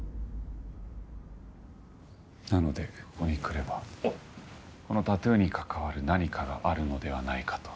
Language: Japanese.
なのでここに来ればこのタトゥーに関わる何かがあるのではないかと。